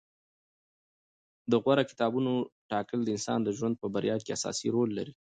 د غوره کتابونو ټاکل د انسان د ژوند په بریا کې اساسي رول لري.